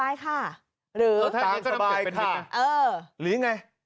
ยังไง